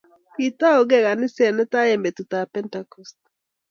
Kitoukei kaniset netai eng betut ab Pentekost